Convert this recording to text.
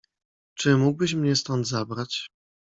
"Czy mógłbyś mnie stąd zabrać?"